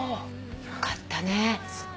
よかったね。